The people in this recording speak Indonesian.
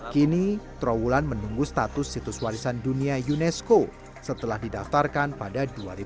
kini trawulan menunggu status situs warisan dunia unesco setelah didaftarkan pada dua ribu dua puluh